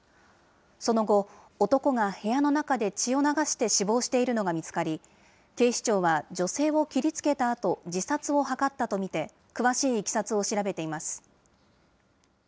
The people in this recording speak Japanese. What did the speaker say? その後、男が部屋の中で血を流して死亡しているのが見つかり、警視庁は、女性を切りつけたあと、自殺を図ったと見て、詳しいいきさつを調べています。